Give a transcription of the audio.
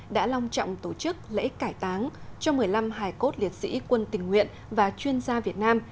đã long trọng tổ chức lễ cải táng cho một mươi năm hải cốt liệt sĩ quân tình nguyện và chuyên gia việt nam